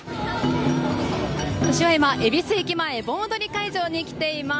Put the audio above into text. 私は今、恵比寿駅前盆踊り会場に来ています。